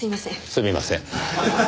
すみません。